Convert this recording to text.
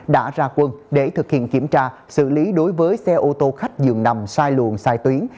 đã ra quân để thực hiện kiểm tra xử lý đối với xe ô tô khách dường nằm sai luồng sai tuyến